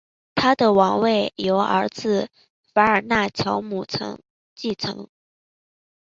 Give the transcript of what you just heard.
他的王位由儿子法尔纳乔姆继承。